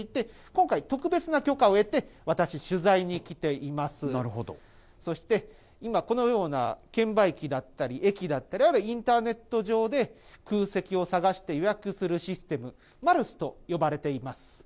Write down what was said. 今回、特別に許可を得て、私、取材に来ていますので、そして、このような券売機だったり、駅だったり、インターネット上で空席を探して予約するシステム、マルスと呼ばれています。